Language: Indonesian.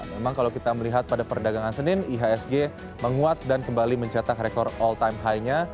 memang kalau kita melihat pada perdagangan senin ihsg menguat dan kembali mencetak rekor all time high nya